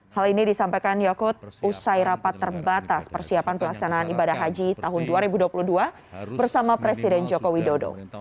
hal ini disampaikan yakut usai rapat terbatas persiapan pelaksanaan ibadah haji tahun dua ribu dua puluh dua bersama presiden joko widodo